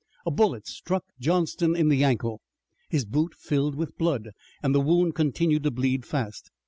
A bullet struck Johnston in the ankle. His boot filled with blood, and the wound continued to bleed fast.